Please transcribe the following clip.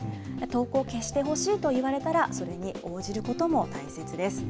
投稿を消してほしいと言われたら、それに応じることも大切です。